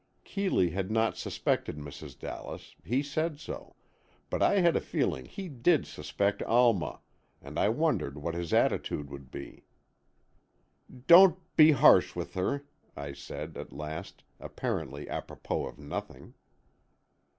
Keeley had not suspected Mrs. Dallas—he said so—but I had a feeling he did suspect Alma, and I wondered what his attitude would be. "Don't be harsh with her," I said, at last, apparently apropos of nothing.